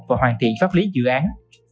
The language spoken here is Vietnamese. và hoàn thiện pháp lý dự án